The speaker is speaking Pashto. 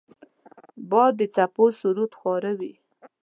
باد د څپو سرود خواره وي